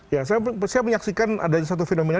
ya saya menyaksikan adanya satu fenomena